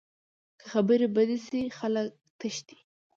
که خبرې بدې شي، خلک تښتي